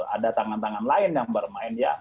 ada tangan tangan lain yang bermain ya